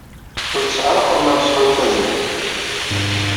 Ur tesɛi ara Faḍma Mesɛud tazmert.